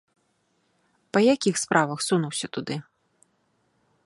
Па якіх справах сунуўся туды?